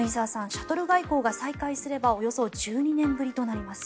シャトル外交が再開すればおよそ１２年ぶりとなります。